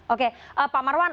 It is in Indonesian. oke pak marwan